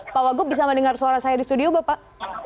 pak wagub bisa mendengar suara saya di studio bapak